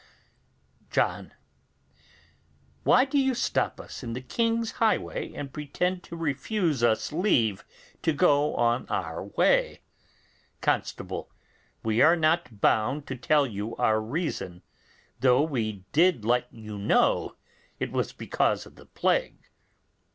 John. Why do you stop us on the king's highway, and pretend to refuse us leave to go on our way? Constable. We are not bound to tell you our reason, though we did let you know it was because of the plague.